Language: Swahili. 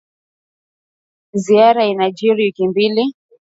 Ziara yake inajiri wiki mbili baada ya haki za binadamu kutoa ripoti